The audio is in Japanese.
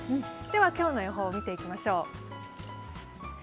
今日の予報を見ていきましょう。